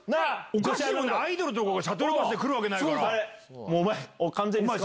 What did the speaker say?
おかしいもんな、アイドルとかがシャトルバスで来るわけないもう、お前完全に。